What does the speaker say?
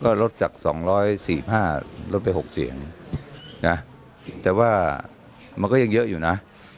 ก็ลดจาก๒๔๕ลดไป๖เสียงนะแต่ว่ามันก็ยังเยอะอยู่นะ